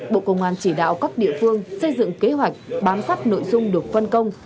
bộ công an chỉ đạo các địa phương xây dựng kế hoạch bám sát nội dung được phân công